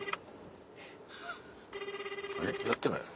やってないの？